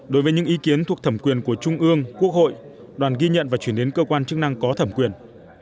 đối với những ý kiến thuộc thẩm quyền của trung ương quốc hội đoàn ghi nhận và chuyển đến cơ quan chức năng có thẩm quyền